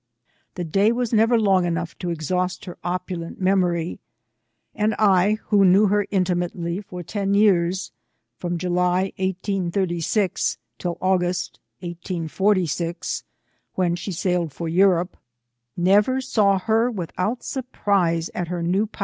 The day was never long enough to exhaust her opulent memory; and I, who knew her intimately for ten years, — from July, 1836, till August, 1846, when she sailed for Europe, — never saw her without surprise at her new powers.